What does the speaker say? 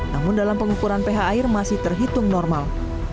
namun dalam pengukuran ph air masih terhitung normal